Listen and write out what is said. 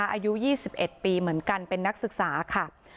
อายุ๒๑ปีเหมือนกันเป็นนักศึกษาค่ะ